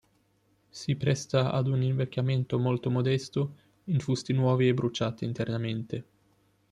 Si presta ad un invecchiamento molto modesto in fusti nuovi e bruciati internamente.